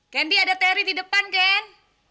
kendi ada teri di depan ken